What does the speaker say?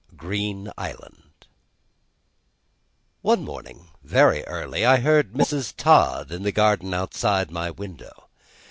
Green Island ONE MORNING, very early, I heard Mrs. Todd in the garden outside my window.